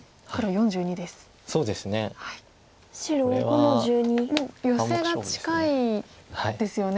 もうヨセが近いですよね。